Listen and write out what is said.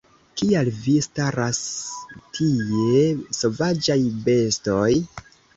Kial vi staras tie, sovaĝaj bestoj?